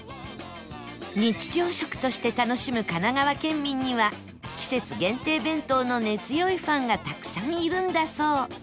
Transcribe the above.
日常食として楽しむ神奈川県民には季節限定弁当の根強いファンがたくさんいるんだそう